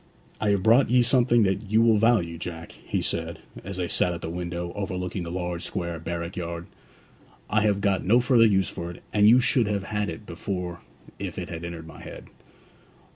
'I have brought ye something that you will value, Jack,' he said, as they sat at the window, overlooking the large square barrack yard. 'I have got no further use for it, and you should have had it before if it had entered my head.'